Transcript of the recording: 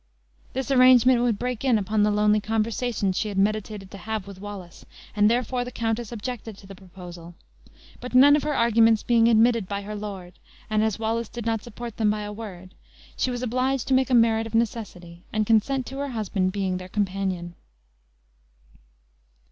This arrangement would break in upon the lonely conversations she had meditated to have with Wallace and therefore the countess objected to the proposal. But none of her arguments being admitted by her lord, and as Wallace did not support them by a word, she was obliged to make a merit of necessity, and consent to her husband being their companion.